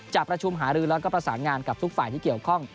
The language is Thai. จะประชุมหารือแล้วก็ประสานงานกับทุกฝ่ายที่เกี่ยวข้อง